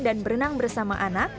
dan berenang bersama anak